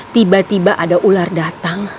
tiba tiba ada ular datang